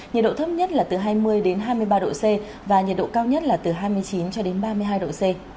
nhiệt độ thấp nhất là từ hai mươi hai mươi ba độ c và nhiệt độ cao nhất là từ hai mươi chín cho đến ba mươi hai độ c